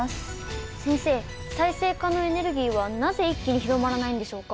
先生再生可能エネルギーはなぜ一気に広まらないんでしょうか？